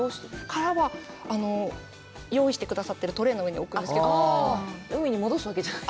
殻は、用意してくださってるトレーの上に置くんですけど、海に戻すわけじゃない？